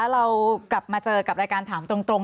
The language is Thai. เรากลับมาเจอกับรายการถามตรง